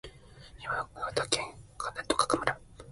山形県鮭川村